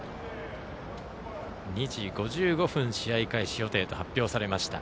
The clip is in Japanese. ２時５５分、試合開始予定と発表されました